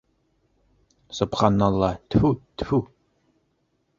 Собханалла, тфү, тфү...